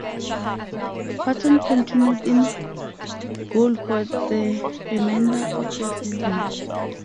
Patton continued in goal for the remainder of the season.